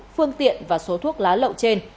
phương tiện và số thuốc lá lậu trên